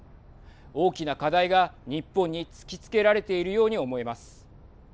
大きな課題が日本に突きつけられているように思えます。